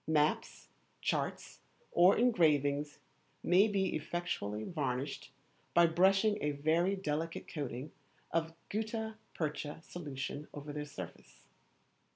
Maps, charts, or engravings may be effectually varnished by brushing a very delicate coating of gutta percha solution over their surface.